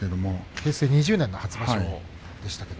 平成２０年の初場所です。